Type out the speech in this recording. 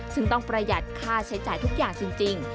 ซึ่งต้องประหยัดค่าใช้จ่ายทุกอย่างจริง